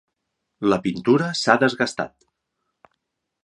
La pintura s'ha desgastat.